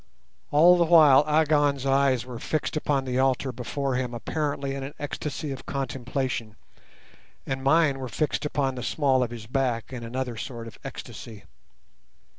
All the while Agon's eyes were fixed upon the altar before him apparently in an ecstasy of contemplation, and mine were fixed upon the small of his back in another sort of ecstasy.